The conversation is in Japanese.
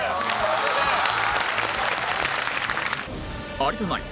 有田ナイン